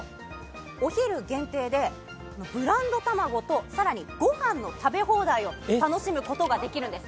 お昼限定でブランドたまごと、さらにご飯の食べ放題を楽しむことができるんです。